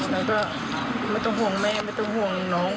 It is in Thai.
แล้วก็ไม่ต้องห่วงแม่ไม่ต้องห่วงน้อง